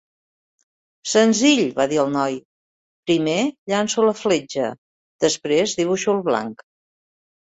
"Senzill" va dir el noi, "primer llanço la fletxa, després dibuixo el blanc".